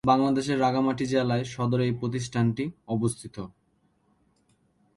বাংলাদেশের রাঙ্গামাটি জেলার সদরে এই প্রতিষ্ঠানটি অবস্থিত।